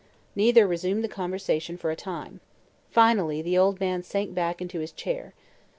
Neither resumed the conversation for a time. Finally the old man sank back into his chair.